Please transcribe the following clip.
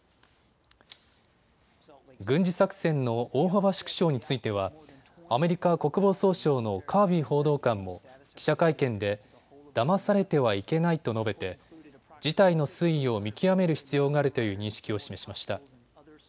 軍事作戦の大幅縮小についてはアメリカ国防総省のカービー報道官も記者会見でだまされてはいけないと述べて事態の推移を見極める必要があるという認識を示しました。